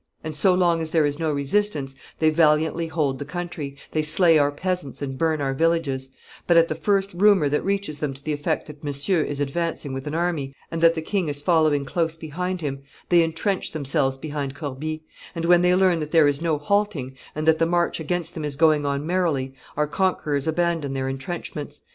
And so long as there is no resistance, they valiantly hold the country, they slay our peasants and burn our villages; but, at the first rumor that reaches them to the effect that Monsieur is advancing with an army, and that the king is following close behind him, they intrench themselves behind Corbie; and, when they learn that there is no halting, and that the march against them is going on merrily, our conquerors abandon their intrenchments.